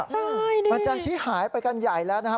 ใช่มันจะชี้หายไปกันใหญ่แล้วนะครับ